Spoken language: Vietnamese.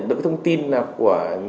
được cái thông tin là của